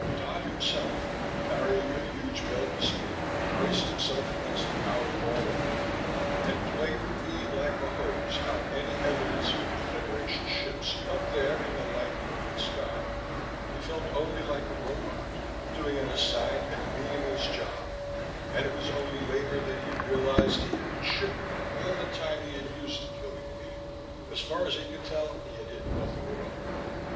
Dodd himself, carrying a huge Belbis beam, braced himself against the outer wall of Building One and played the beam like a hose on any evidence of Confederation ships up there in the lightning lit sky: he felt only like a robot, doing an assigned and meaningless job, and it was only later that he realized he had been shivering all the time he had used the killing beam. As far as he could tell he had hit nothing at all.